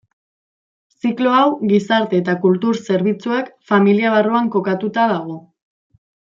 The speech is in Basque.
Ziklo hau Gizarte eta Kultur zerbitzuak familia barruan kokatuta dago.